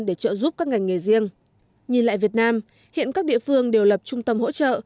để trợ giúp các ngành nghề riêng nhìn lại việt nam hiện các địa phương đều lập trung tâm hỗ trợ